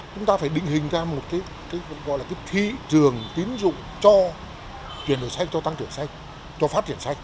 chúng ta phải định hình ra một cái thị trường tiến dụng cho chuyển đổi xanh cho tăng trưởng xanh cho phát triển xanh